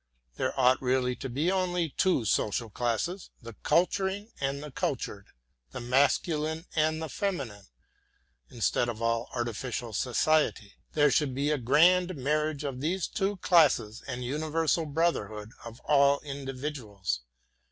There ought really to be only two social classes, the culturing and the cultured, the masculine and the feminine; instead of all artificial society, there should be a grand marriage of these two classes and universal brotherhood of all individuals.